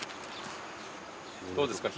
どうですか？